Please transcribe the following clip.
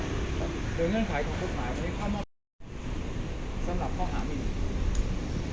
โดยเงื่อนไขของกฎหมายในข้อนอกสำหรับข้ออาหารมีอะไร